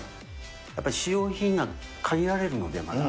やっぱり使用シーンが限られるので、まだ。